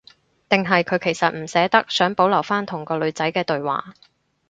定係佢其實唔捨得，想保留返同個女仔嘅對話